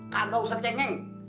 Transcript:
kagak usah cengeng